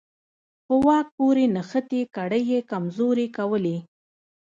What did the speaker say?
په واک پورې نښتې کړۍ یې کمزورې کولې.